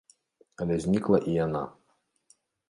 Але знікла і яна.